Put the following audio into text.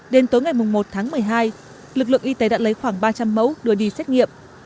đến tối ngày một tháng một mươi hai lực lượng y tế đã lấy khoảng ba trăm linh mẫu đưa đi xét nghiệm